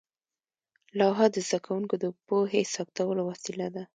لوحه د زده کوونکو د پوهې ثبتولو وسیله وه.